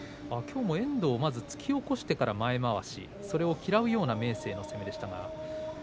きょうも遠藤まず突き起こしてから前まわしそれを嫌うような明生の相撲でした。